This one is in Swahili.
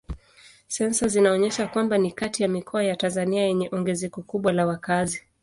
Sensa zinaonyesha kwamba ni kati ya mikoa ya Tanzania yenye ongezeko kubwa la wakazi.